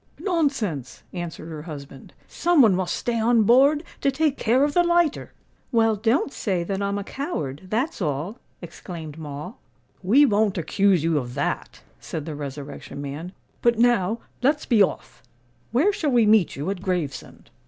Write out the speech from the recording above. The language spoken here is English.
"Nonsense," answered her husband. "Some one must stay on board to take care of the lighter." "Well, don't say that I'm a coward—that's all," exclaimed Moll. "We won't accuse you of that," said the Resurrection Man. "But now let's be off. Where shall we meet you at Gravesend?"